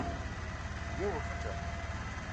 Еуэ, фӏыкӏэ!